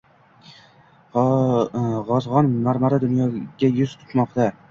G‘ozg‘on marmari dunyoga yuz tutmoqdang